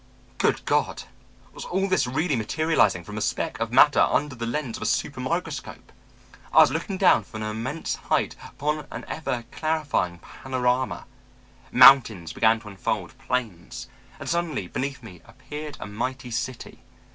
Good God! was all this really materializing from a speck of matter under the lens of a super microscope? I was looking down from an immense height upon an ever clarifying panorama. Mountains began to unfold, plains, and suddenly beneath me appeared a mighty city.